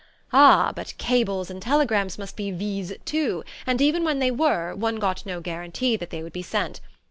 Ah but cables and telegrams must be vises too and even when they were, one got no guarantee that they would be sent!